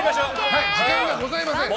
時間がございません。